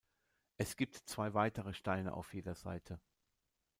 Es gibt zwei weitere Steine auf jeder Seite.